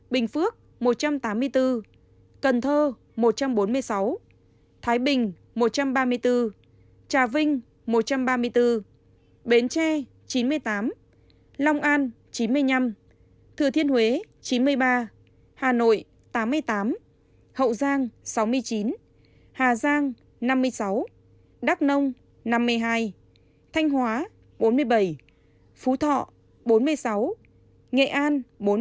bình phước một trăm tám mươi bốn cần thơ một trăm bốn mươi sáu thái bình một trăm ba mươi bốn trà vinh một trăm ba mươi bốn bến tre chín mươi tám long an chín mươi năm thừa thiên huế chín mươi ba hà nội tám mươi tám hậu giang sáu mươi chín hà giang năm mươi sáu đắk nông năm mươi hai thanh hóa bốn mươi bảy phú thọ bốn mươi sáu nghệ an bốn mươi bốn